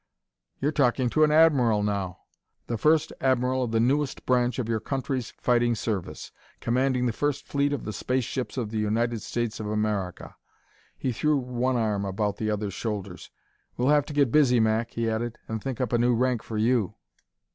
"You're talking to an admiral now! the first admiral of the newest branch of your country's fighting service commanding the first fleet of the Space ships of the United States of America!" He threw one arm about the other's shoulders. "We'll have to get busy, Mac," he added, "and think up a new rank for you.